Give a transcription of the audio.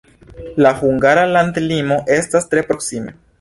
La hungara landlimo estas tre proksime.